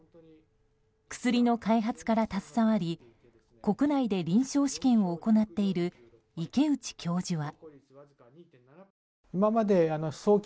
薬の開発から携わり国内で臨床試験を行っている池内教授は。